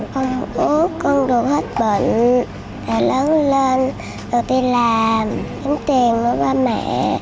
con ước con được hết bệnh để lớn lên được đi làm kiếm tiền với ba mẹ